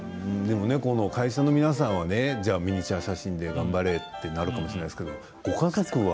会社の皆さんはミニチュア写真で頑張れってなるかもしれないですけどご家族は？